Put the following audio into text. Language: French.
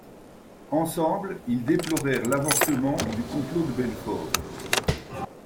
Ensemble ils déplorèrent l'avortement du complot de Belfort.